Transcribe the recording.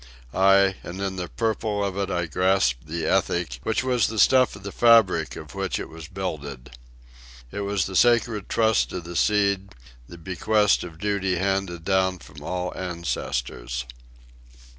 Ay, and in the purple of it I grasped the ethic, which was the stuff of the fabric of which it was builded. It was the sacred trust of the seed, the bequest of duty handed down from all ancestors.